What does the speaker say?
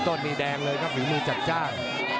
ต้นนี่แดงเลยครับฝีมือจัดจ้าง